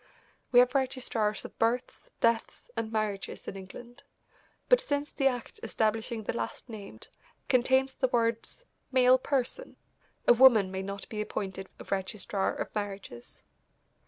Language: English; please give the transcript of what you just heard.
We have registrars of births, deaths and marriages in England, but since the act establishing the last named contains the words "male person," a woman may not be appointed a registrar of marriages.